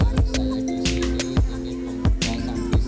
karena maksimalnya spirit